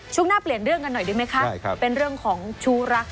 ช่วงหน้าเปลี่ยนเรื่องกันหน่อยด้วยไหมครับ